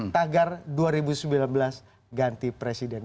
tagar dua ribu sembilan belas ganti presiden